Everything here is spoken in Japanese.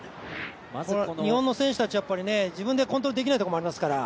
日本の選手たちは自分でコントロールできないところがありますから。